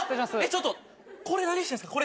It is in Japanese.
ちょっとこれ何してんすか？